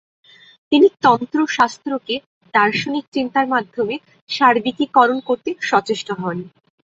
তিনি তন্ত্র শাস্ত্রকে দার্শনিক চিন্তার মাধ্যমে সার্বিকিকরণ করতে সচেষ্ট হন।